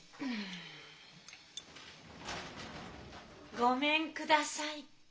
ごめんください。